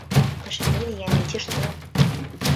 Пашалелі яны, ці што?